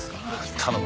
頼む。